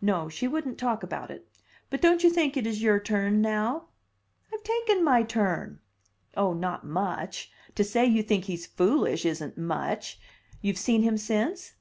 "No, she wouldn't talk about it. But don't you think it is your turn now?" "I've taken my turn!" "Oh, not much. To say you think he's foolish isn't much. You've seen him since?"